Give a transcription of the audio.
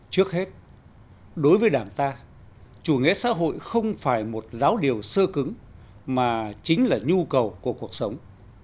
trước hết đối với đảng ta chủ nghĩa xã hội không phải một giáo điều sơ cứng mà chính là nhu cầu của cuộc sống